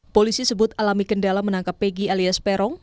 polisi sebut alami kendala menangkap pegi alias peron